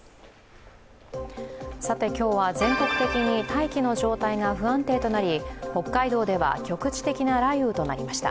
今日は全国的に大気の状態が不安定となり、北海道では、局地的な雷雨となりました。